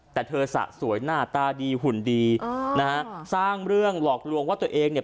แต่เธอสะสวยหน้าตาดีหุ่นดีนะฮะสร้างเรื่องหลอกลวงว่าตัวเองเนี่ย